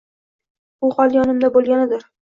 Bu hali yonimda bo‘lganidir